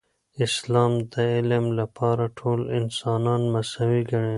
اسلام د علم لپاره ټول انسانان مساوي ګڼي.